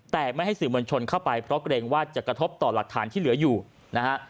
แต่ไม่ให้สื่อมวลชนเข้าไปเพราะเกรงว่าจะกระทบต่อหลักฐานที่เหลืออยู่นะฮะ